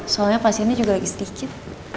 soalnya pasiennya juga lagi sedikit